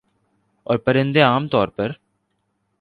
اورپرندے عام طور پر